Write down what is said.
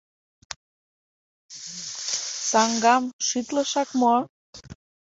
Саҥгам шӱтлышак мо?